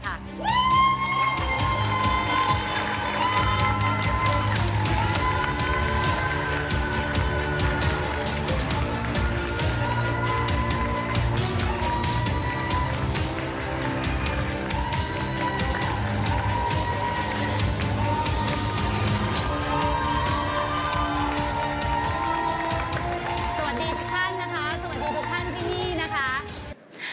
สวัสดีทุกท่านนะคะสวัสดีทุกท่านพี่นะคะ